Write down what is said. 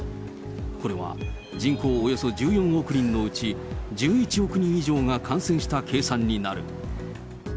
これは、人口およそ１４億人のうち、１１億人以上が感染した計算になる。